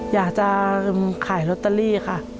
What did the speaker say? อยากจะขายลอตเตอรี่ค่ะ